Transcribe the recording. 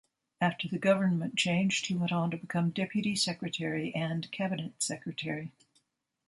After the government changed he went on to become Deputy Secretary and cabinet secretary.